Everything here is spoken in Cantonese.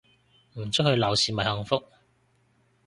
唔出去鬧事咪幸福